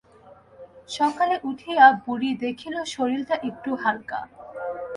সকালে উঠিয়া বুড়ি দেখিল শরীরটা একটু হালকা।